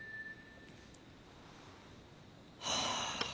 はあ。